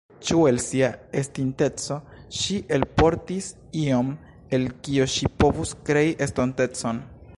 Ĉu el sia estinteco ŝi elportis ion, el kio ŝi povus krei estontecon?